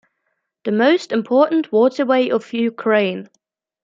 The most important waterway of Ukraine.